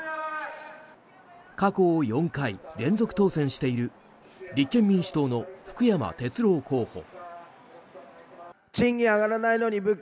過去４回、連続当選している立憲民主党の福山哲郎候補。